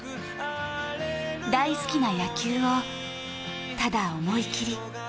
大好きな野球をただ思いきり。